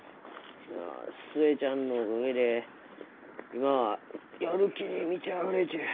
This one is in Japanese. いや寿恵ちゃんのおかげで今はやる気に満ちあふれちゅう。